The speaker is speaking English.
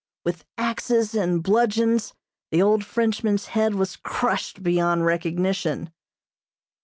With axes and bludgeons the old Frenchman's head was crushed beyond recognition.